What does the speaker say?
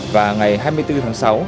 và ngày hai mươi bốn tháng sáu